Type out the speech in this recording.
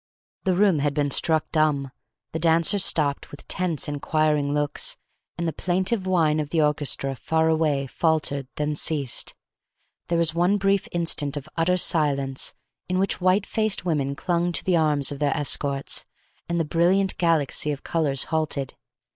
The room had been struck dumb. The dancers stopped, with tense, inquiring looks, and the plaintive whine of the orchestra, far away, faltered, then ceased. There was one brief instant of utter silence in which white faced women clung to the arms of their escorts, and the brilliant galaxy of colors halted.